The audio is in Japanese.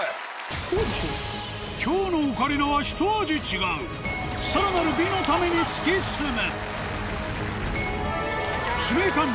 今日のオカリナはひと味違うさらなる美のために突き進む！